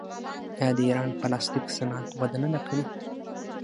آیا د ایران پلاستیک صنعت وده نه ده کړې؟